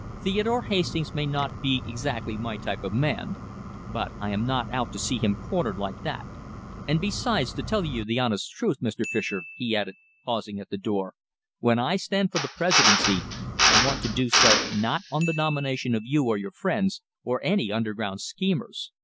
"Theodore Hastings may not be exactly my type of man, but I am not out to see him cornered like that, and besides, to tell you the honest truth, Mr. Fischer," he added, pausing at the door, "when I stand for the Presidency, I want to do so not on the nomination of you or your friends, or any underground schemers.